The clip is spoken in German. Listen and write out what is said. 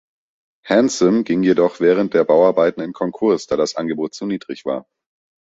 Hansom ging jedoch während der Bauarbeiten in Konkurs, da das Angebot zu niedrig war.